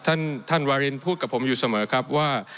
ท่านท่านวารินพูดกับผมอยู่เสมอครับว่า